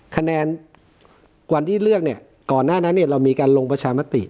คะแนนวันที่เลือกเนี่ยก่อนหน้านั้นเรามีการลงประชามติ